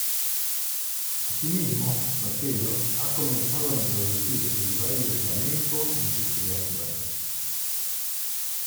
Asimismo, Sotelo ha comenzado a introducir el baile flamenco en sus creaciones.